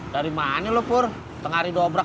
n aggi jangan ke singkong researchers